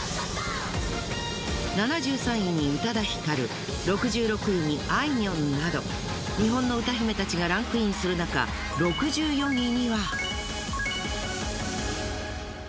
７３位に宇多田ヒカル６６位にあいみょんなど日本の歌姫たちがランクインするなか６４位には。